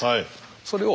それを。